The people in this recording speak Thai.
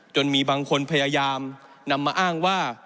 จนมีบางคนพยายามนำมาอ้างว่า